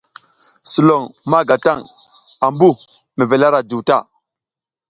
Sulon ma ga taƞ ambu mevel ara juw ta.